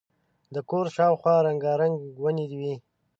د کور شاوخوا رنګارنګ ونې وې.